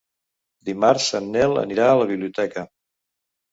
Dimarts en Nel anirà a la biblioteca.